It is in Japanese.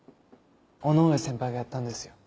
尾ノ上先輩がやったんですよ。